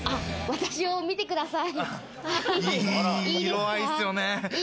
私を見てください。